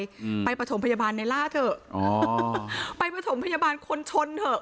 อืมไปประถมพยาบาลในล่าเถอะอ๋อไปประถมพยาบาลคนชนเถอะ